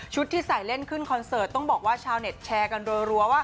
ที่ใส่เล่นขึ้นคอนเสิร์ตต้องบอกว่าชาวเน็ตแชร์กันรัวว่า